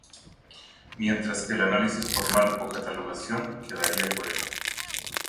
Mientras que el análisis formal o catalogación, quedaría fuera.